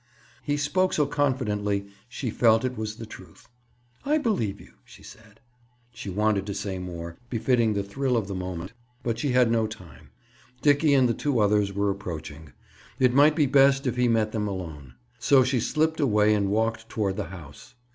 He spoke so confidently she felt it was the truth. "I believe you," she said. She wanted to say more, befitting the thrill of the moment, but she had no time. Dickie and two others were approaching. It might be best if he met them alone. So she slipped away and walked toward the house.